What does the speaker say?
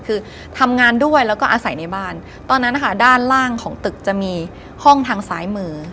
คือทำงานด้วยแล้วก็อาศัยในบ้านตอนนั้นนะคะด้านล่างของตึกจะมีห้องทางซ้ายมือ